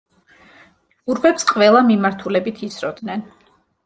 ჭურვებს ყველა მიმართულებით ისროდნენ.